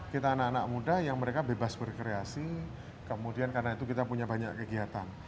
kita anak anak muda yang mereka bebas berkreasi kemudian karena itu kita punya banyak kegiatan